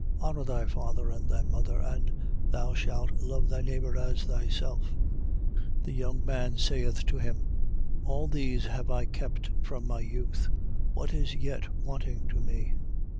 19:19. Honour thy father and thy mother: and, Thou shalt love thy neighbor as thyself. 19:20. The young man saith to him: All these have I kept from my youth, what is yet wanting to me?